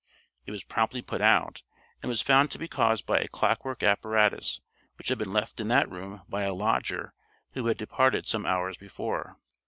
It was promptly put out, and was found to be caused by a clock work apparatus which had been left in that room by a lodger who had departed some hours before.